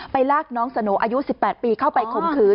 ลากน้องสโนอายุ๑๘ปีเข้าไปข่มขืน